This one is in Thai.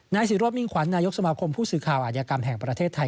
ศิโรธมิ่งขวัญนายกสมาคมผู้สื่อข่าวอาจยากรรมแห่งประเทศไทย